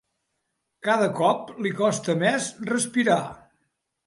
Cada cop li costa més respirar.